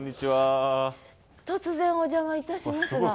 突然お邪魔いたしますが。